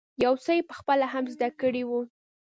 يو څه یې په خپله هم زده کړی وو.